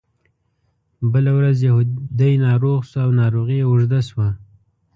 بله ورځ یهودي ناروغ شو او ناروغي یې اوږده شوه.